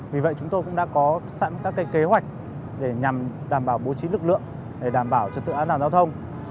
vì vậy chúng tôi cũng đã có sẵn các kế hoạch để nhằm đảm bảo bố trí lực lượng để đảm bảo trật tự an toàn giao thông